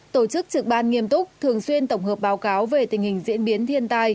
tổ chức trực ban nghiêm túc thường xuyên tổng hợp báo cáo về tình hình diễn biến thiên tai